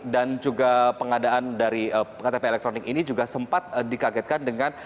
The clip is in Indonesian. dan juga pengadaan dari ktp elektronik ini juga sempat dikagetkan dengan